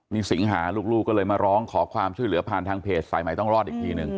นี่สิงหาลูกก็เลยมาร้องขอความช่วยเหลือผ่านทางเพจสายใหม่ต้องรอดอีกทีหนึ่ง